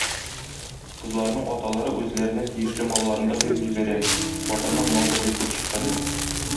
Кызларның аталары үзләренә тиешле малларын да биреп җибәрә, батырның мал да бик үрчи хәзер.